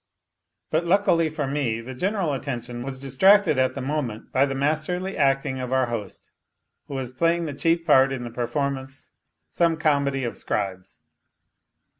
But luckily for me the general attention was distracted at the moment by the masterly acting of our host, who was playing the chief part in the performance, some comedy of Scribe's.